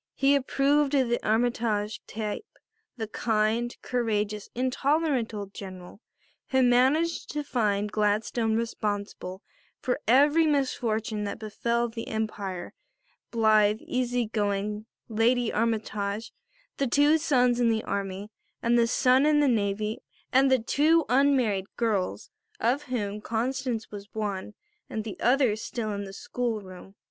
He approved of the Armytage type the kind, courageous, intolerant old General who managed to find Gladstone responsible for every misfortune that befell the Empire blithe, easy going Lady Armytage, the two sons in the army and the son in the navy and the two unmarried girls, of whom Constance was one and the other still in the school room.